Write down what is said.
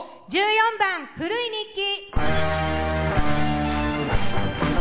１４番「古い日記」。